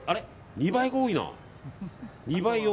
２倍が多い。